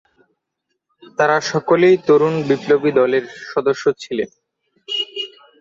তারা সকলেই তরুণ বিপ্লবী দলের সদস্য ছিলেন।